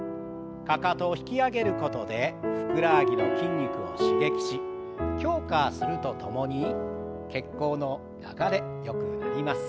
かかとを引き上げることでふくらはぎの筋肉を刺激し強化するとともに血行の流れよくなります。